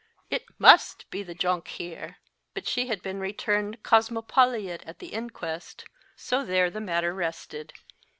It must be the " Jonkheer. " But she had been returned * Kosmopoliet at the inquest, so there the matter rested.